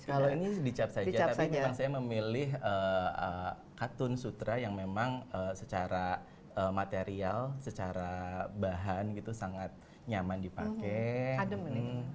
kalau ini dicap saja tapi memang saya memilih katun sutra yang memang secara material secara bahan gitu sangat nyaman dipakai